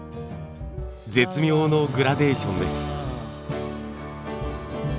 絶妙のグラデーションです。